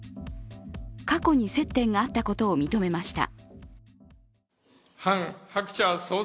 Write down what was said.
過去に接点があったことを認めました。